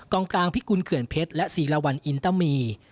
กองกลางพิกุลเกื่อนเพชรและศีรวรรณอินตมี